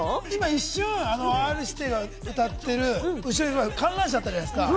一瞬、Ｒ−指定が歌っている後ろにある観覧車あったじゃないですか。